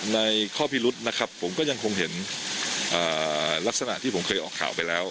ในข้อพิรุษนะครับผมก็ยังคงเห็นลักษณะที่ผมเคยออกข่าวไปแล้ว